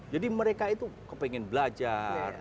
jadi mereka itu ingin belajar